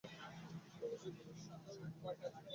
কাগজপত্রের সঙ্গে কোন সম্বন্ধই নাই।